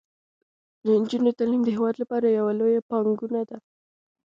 د نجونو تعلیم د هیواد لپاره یوه لویه پانګونه ده.